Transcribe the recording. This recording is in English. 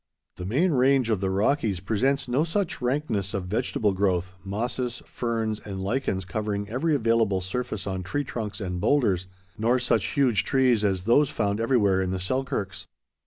The main range of the Rockies presents no such rankness of vegetable growth—mosses, ferns, and lichens covering every available surface on tree trunks and boulders—nor such huge trees as those found everywhere in the Selkirks.